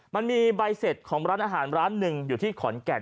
มันมีใบเสร็จของร้านอาหารร้านหนึ่งอยู่ที่ขอนแก่น